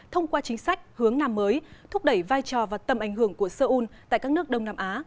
thông qua chính sách hướng nam mới thúc đẩy vai trò và tầm ảnh hưởng của seoul tại các nước đông nam á